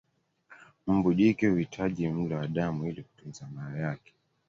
Mbu jike huhitaji mlo wa damu ili kutunza mayai yake